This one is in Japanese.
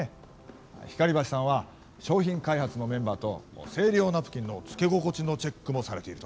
光橋さんは商品開発のメンバーと生理用ナプキンの、つけ心地のチェックもされているとか。